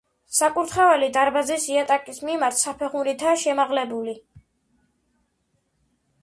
საკურთხეველი დარბაზის იატაკის მიმართ საფეხურითაა შემაღლებული.